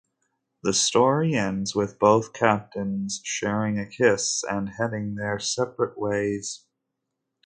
The story ends with both Captains sharing a kiss and heading their separate ways.